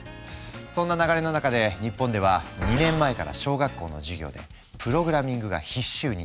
そんな流れの中で日本では２年前から小学校の授業でプログラミングが必修に。